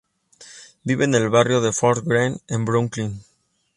Vive en el barrio de Fort Greene en Brooklyn.